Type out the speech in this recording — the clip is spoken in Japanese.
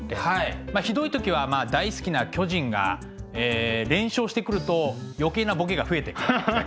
ひどい時はまあ大好きな巨人が連勝してくると余計なボケが増えてくみたいな。